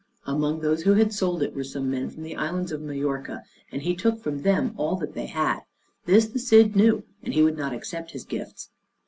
Among those who had sold it were some men from the islands of Majorca, and he took from them all that they had. This the Cid knew, and he would not accept his gifts.